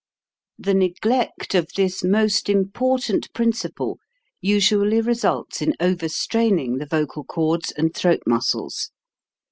The neglect of this most important princi ple usually results in overstraining the vocal cords and throat muscles.